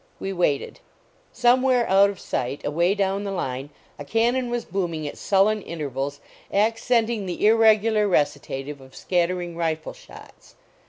We waited. Somewhere out of sight, away down the line, a cannon was booming at sul len intervals, accenting the irregular recita tive of scattering rifle shots.